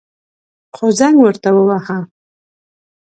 خو زنگ ورته وواهه.